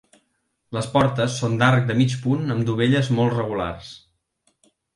Les portes són d'arc de mig punt amb dovelles molt regulars.